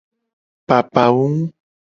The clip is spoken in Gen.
Papawum.